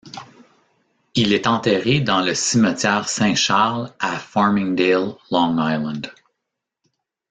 Il est enterré dans le cimetière Saint-Charles à Farmingdale, Long Island.